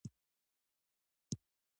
د لاس تڼاکې دې نن ولیدې ما